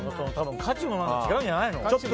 価値も違うんじゃないの？